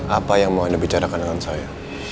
apa yang mau anda bicarakan dengan saya